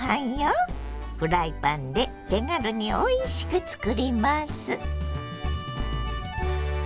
フライパンで手軽においしくつくります。